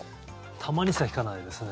たまにしか聞かないですね。